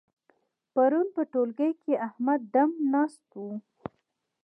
پرون په ټولګي کې احمد دم ناست وو.